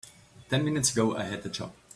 Ten minutes ago I had a job.